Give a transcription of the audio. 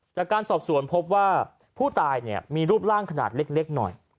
จากการสอบสวนพบว่าผู้ตายเนี่ยมีรูปร่างขนาดเล็กหน่อย